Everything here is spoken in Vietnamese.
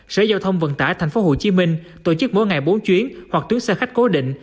sở giao thông vận tải tp hcm tổ chức mỗi ngày bốn chuyến hoặc tuyến xe khách cố định